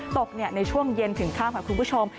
ตกในช่วงเย็นถึงข้ามค่ะคุณผู้ชม